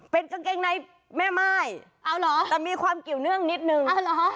เป็นกางเกงในแม่ม่ายเอาเหรอแต่มีความเกี่ยวเนื่องนิดนึง